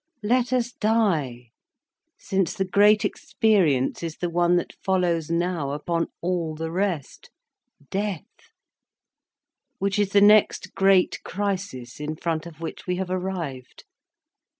Let us die, since the great experience is the one that follows now upon all the rest, death, which is the next great crisis in front of which we have arrived.